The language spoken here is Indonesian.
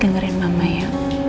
dengerin mama ya